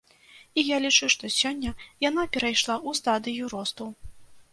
І я лічу, што сёння яна перайшла ў стадыю росту.